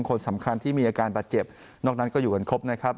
คนสำคัญที่มีอาการบาดเจ็บนอกนั้นก็อยู่กันครบนะครับ